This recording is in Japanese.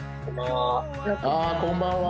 こんばんは。